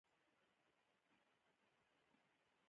الماري د کیسو ځای هم ګرځي